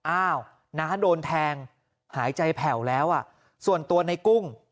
อ้าวน้าโดนแทงหายใจแผ่วแล้วอ่ะส่วนตัวในกุ้ง